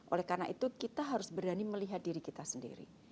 oleh karena itu kita harus berani melihat diri kita sendiri